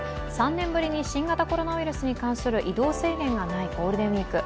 ３年ぶりに新型コロナウイルスに関する移動制限がないゴールデンウイーク。